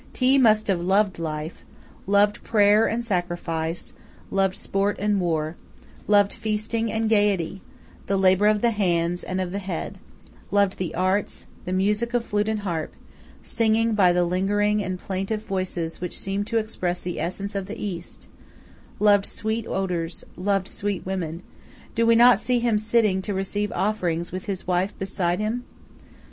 Thi must have loved life; loved prayer and sacrifice, loved sport and war, loved feasting and gaiety, labor of the hands and of the head, loved the arts, the music of flute and harp, singing by the lingering and plaintive voices which seem to express the essence of the east, loved sweet odors, loved sweet women do we not see him sitting to receive offerings with his wife beside him?